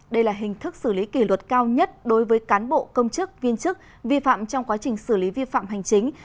đây là hình thức xử lý kỷ luật cao nhất đối với cán bộ công chức viên chức vi phạm trong quá trình xử lý vi phạm hành chính